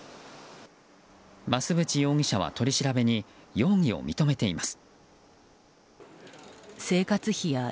増渕容疑者は取り調べに容疑を認めています。